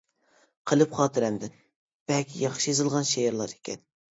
قەلب خاتىرەمدىن: بەك ياخشى يېزىلغان شېئىرلار ئىكەن.